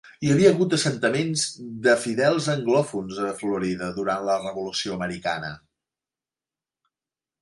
Hi havia hagut assentaments de fidels anglòfons a Florida durant la Revolució Americana.